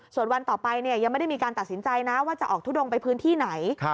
ส่วนวันต่อไปยังไม่ได้มีการตัดสินใจนะว่าจะออกทุดงไปพื้นที่ไหน